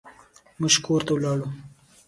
موږ کور ته لاړو.